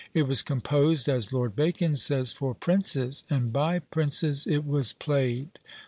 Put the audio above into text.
It was composed, as Lord Bacon says, for princes, and by princes it was played.